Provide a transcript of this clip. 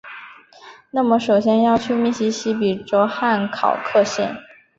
那么首先要去密西西比州汉考克县！